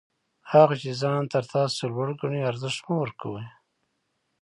هغه چي ځان تر تاسي لوړ ګڼي، ارزښت مه ورکوئ!